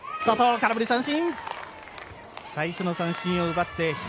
空振り三振。